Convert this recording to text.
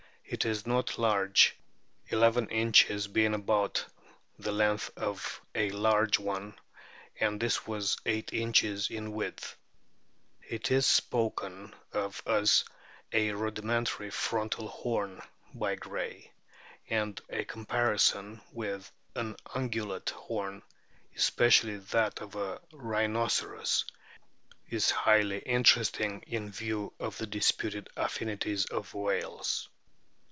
It is not large, eleven inches being about the length of a large one, and this was eight inches in width. It is spoken of as a "rudimentary frontal horn" by Gray, and a comparison with an Ungulate horn, especially that of a rhinoceros, is highly interesting in view of the disputed affinities of whales.